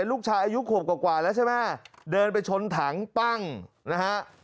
ลูกชายอายุขวบกว่าแล้วใช่ไหมเดินไปชนถังปั้งนะฮะ